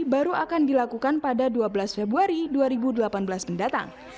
baru akan dilakukan pada dua belas februari dua ribu delapan belas mendatang